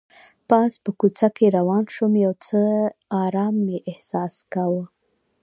پاس په کوڅه کې روان شوم، یو څه ارام مې احساس کاوه.